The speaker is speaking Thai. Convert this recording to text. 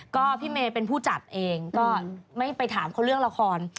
ก็พี่เมย์เป็นผู้จัดเองก็ไม่ไปถามเขาเรื่องละคร